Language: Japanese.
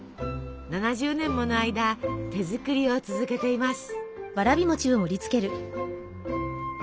７０年もの間手作りを続けています。